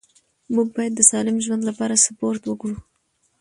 موږ باید د سالم ژوند لپاره سپورت وکړو